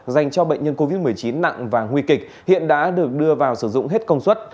dành cho bệnh nhân covid một mươi chín nặng và nguy kịch hiện đã được đưa vào sử dụng hết công suất